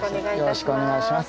よろしくお願いします